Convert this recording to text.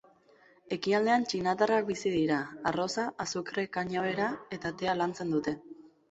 Ekialdean txinatarrak bizi dira; arroza, azukre-kanabera eta tea lantzen dute.